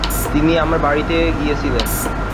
তুমি আমার বাড়িতে গিয়েছিলে।